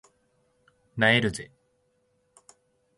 萎えるぜ